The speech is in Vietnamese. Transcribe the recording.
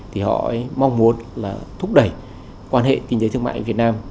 thì họ mong muốn là thúc đẩy quan hệ kinh tế thương mại việt nam